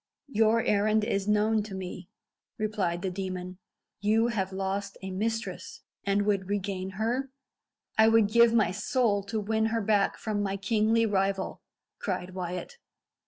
"Your errand is known to me," replied the demon. "You have lost a mistress, and would regain her?" "I would give my soul to win her back from my kingly rival," cried Wyat.